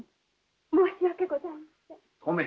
申し訳ございません。